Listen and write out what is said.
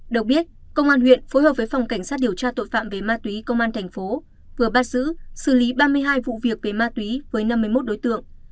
được biết công an huyện phối hợp với phòng cảnh sát điều tra tội phạm về ma túy công an thành phố vừa bắt giữ xử lý ba mươi hai vụ việc về ma túy với năm mươi một đối tượng